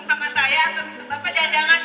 temu sama saya atau bapak jajangan